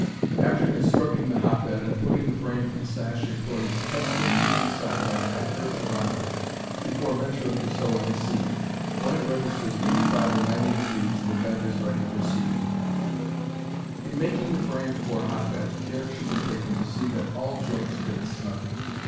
After constructing the hotbed and putting the frame and sash in place, test the heat inside by an accurate thermometer before venturing to sow any seed. When it registers 85° or 90° the bed is ready for seeding. In making the frame for a hotbed care should be taken to see that all joints fit snugly.